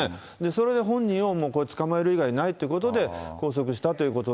それで本人を捕まえる以外にないってことで、拘束したということ